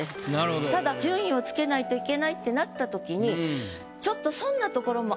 ただ順位をつけないといけないってなったときにちょっと。